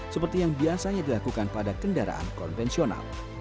seperti yang biasanya dilakukan pada kendaraan konvensional